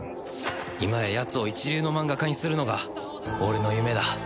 今ややつを一流のマンガ家にするのが俺の夢だ。